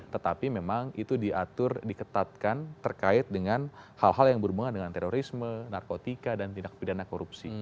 tetapi memang itu diatur diketatkan terkait dengan hal hal yang berhubungan dengan terorisme narkotika dan tindak pidana korupsi